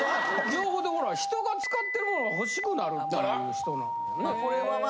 情報でほら「人が使ってる物が欲しくなる」っていう人なんだよね。